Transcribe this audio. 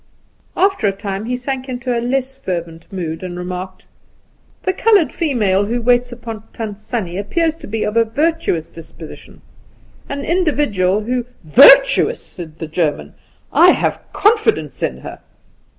'" After a time he sank into a less fervent mood, and remarked: "The coloured female who waits upon Tant Sannie appears to be of a virtuous disposition, an individual who " "Virtuous!" said the German; "I have confidence in her.